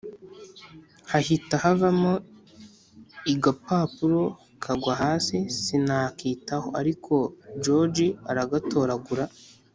hahita havamo igapapuro kagwa hasi sinakitaho ariko george aragatoragura